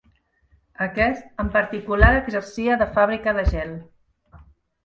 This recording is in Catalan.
Aquest en particular exercia de fàbrica de gel.